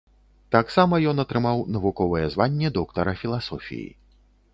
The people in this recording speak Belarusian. Таксама ён атрымаў навуковае званне доктара філасофіі.